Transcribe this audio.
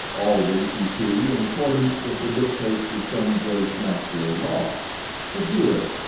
Always, you see, in accordance with the dictates of some great natural law. But here!